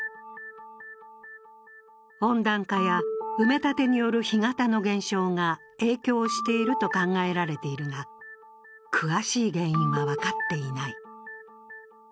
温暖化や埋め立てによる干潟の減少が影響していると考えられているが詳しい原因は分かっていない。